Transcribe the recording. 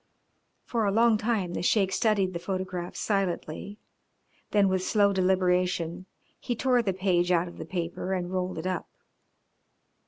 For a long time the Sheik studied the photographs silently, then with slow deliberation he tore the page out of the paper and rolled it up.